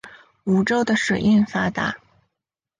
梧州的水运发达。